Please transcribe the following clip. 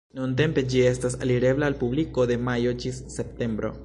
Nuntempe ĝi estas alirebla al publiko de majo ĝis septembro.